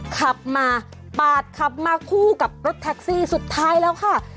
ขับมาปาดขับมาคู่กับรถแท็กซี่สุดท้ายแล้วค่ะ